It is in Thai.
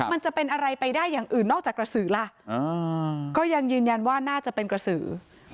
มันจะเป็นอะไรไปได้อย่างอื่นนอกจากกระสือล่ะก็ยังยืนยันว่าน่าจะเป็นกระสือ